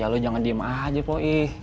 ya lo jangan diem aja poi